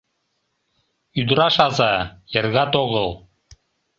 Ӱдыраш аза, эргат огыл...